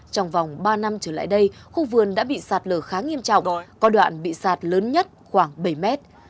trong vòng ba năm trở lại đây khu vườn đã bị sạt lở khá nghiêm trọng có đoạn bị sạt lớn nhất khoảng bảy mét